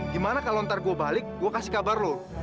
gimana kalau ntar gue balik gue kasih kabar loh